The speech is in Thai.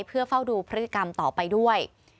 เพื่อเฝ้าดูพฤติกรรมต่อไปด้วย